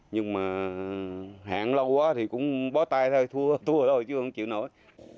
nhưng mà hạn lâu quá thì cũng bó tay thôi thua thôi chứ không chịu nổi